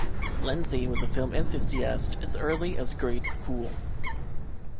Lenzi was a film enthusiast as early as grade school.